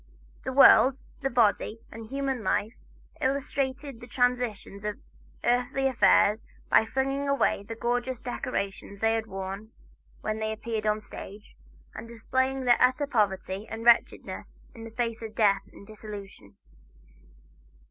The World, the Body and Human Life illustrated the transitoriness of earthly affairs by flinging away the gorgeous decorations they had worn when they appeared on the stage, and displaying their utter poverty and wretchedness in the face of death and dissolution.